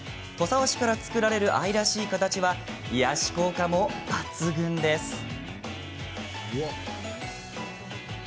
土佐和紙から作られる愛らしい形は癒やし効果も抜群です。